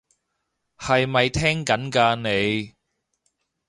係咪聽緊㗎你？